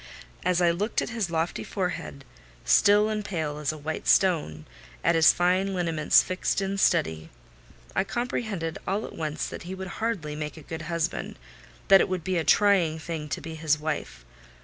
As I looked at his lofty forehead, still and pale as a white stone—at his fine lineaments fixed in study—I comprehended all at once that he would hardly make a good husband: that it would be a trying thing to be his wife.